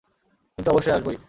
কিন্তু অবশ্যই আসবই।